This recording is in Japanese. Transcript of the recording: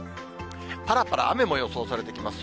ぱらぱら雨も予想されてきます。